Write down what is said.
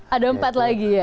ada empat lagi ya